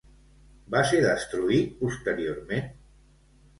Va ser destruït posteriorment?